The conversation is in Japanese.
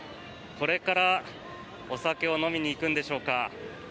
これからお酒を飲みに行くのでしょうか。